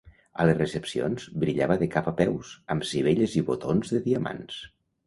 A les recepcions, brillava de cap a peus, amb sivelles i botons de diamants.